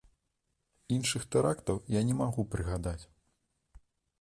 Іншых тэрактаў я не магу прыгадаць.